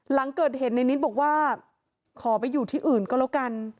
หลังเกิดเหตุในนิดบอกว่าขอไปอยู่ที่อื่นก็แล้วกัน